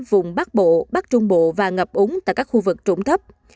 vùng bắc bộ bắc trung bộ và ngập úng tại các khu vực trụng thấp